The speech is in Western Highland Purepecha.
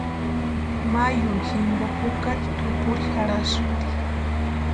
Mayuni jimpo jukari tʼupuri jarhasïnti.